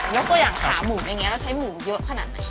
ตัวอย่างขาหมูใช้หมูเยอะขนาดไหน